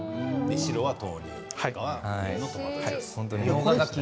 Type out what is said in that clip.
白は豆乳赤はトマトジュース。